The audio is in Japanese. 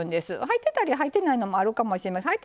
入ってたり入ってないのもあるかもしれません。